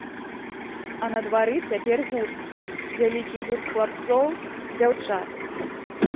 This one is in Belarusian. А на двары цяпер гурт, вялікі гурт хлапцоў, дзяўчат.